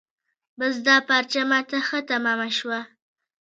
بس دا پارچه ما ته ښه تمامه شوه.